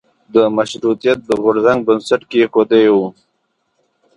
د مشروطیت د غورځنګ بنسټ کېښودیو.